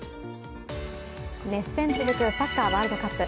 熱戦続くサッカーワールドカップ。